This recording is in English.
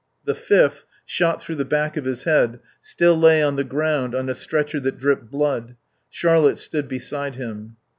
The fifth, shot through the back of his head, still lay on the ground on a stretcher that dripped blood. Charlotte stood beside him.